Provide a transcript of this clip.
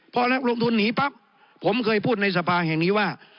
พอนักลงทุนหนีปั๊บผมเคยพูดในสภาแห่งนี้ว่า